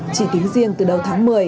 chỉ tính riêng từ đầu tháng một mươi